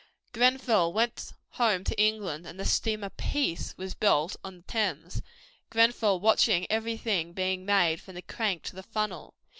Grenfell went home to England, and the steamer Peace was built on the Thames, Grenfell watching everything being made from the crank to the funnel.